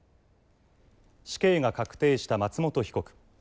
死刑が確定した松本被告